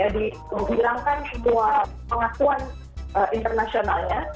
dihilangkan semua pengakuan internasionalnya